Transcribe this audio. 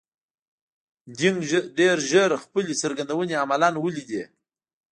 دینګ ډېر ژر خپلې څرګندونې عملاً ولیدې.